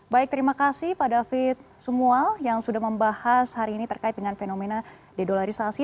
baik terima kasih pak david sumual yang sudah membahas hari ini terkait dengan fenomena dedolarisasi